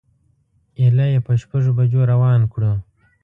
ایله یې په شپږو بجو روان کړو.